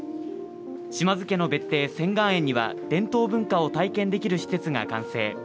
島津家の別邸仙厳園には伝統文化を体験できる施設が完成。